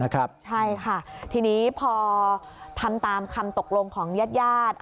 ใช่ค่ะทีนี้พอทำตามคำตกลงของญาติ